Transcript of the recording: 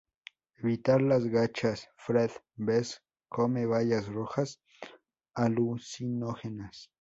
Evitar las gachas, Fred vez come bayas rojas alucinógenas.